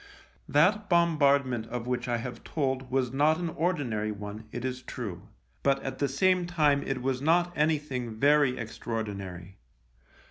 That bombardment of which I have told was not an ordinary one, it is true, but at the same time it was not anything very extraordinary.